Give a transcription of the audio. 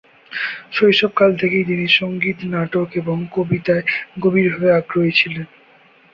শৈশবকাল থেকেই তিনি সংগীত, নাটক এবং কবিতায় গভীরভাবে আগ্রহী ছিলেন।